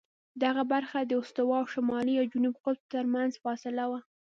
دغه برخه د استوا او شمالي یا جنوبي قطب ترمنځ فاصله وه.